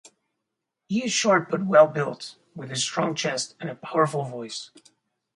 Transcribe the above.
He is short but well built, with a strong chest and a powerful voice.